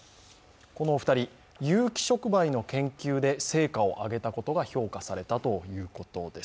このお二人、有機触媒の研究で成果を上げたことが評価されたということです。